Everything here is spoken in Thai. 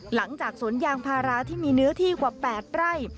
หลังจากสวนยางพาราที่มีเนื้อที่กว่า๘ไร่